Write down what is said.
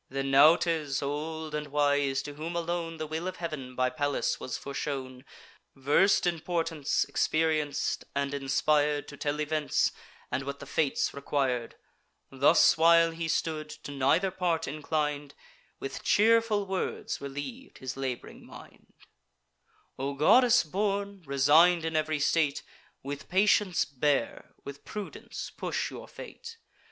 Then Nautes, old and wise, to whom alone The will of Heav'n by Pallas was foreshown; Vers'd in portents, experienc'd, and inspir'd To tell events, and what the fates requir'd; Thus while he stood, to neither part inclin'd, With cheerful words reliev'd his lab'ring mind: "O goddess born, resign'd in ev'ry state, With patience bear, with prudence push your fate.